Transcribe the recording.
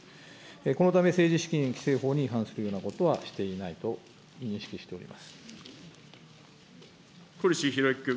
このため、政治資金規正法に違反するようなことはしていないと認小西洋之君。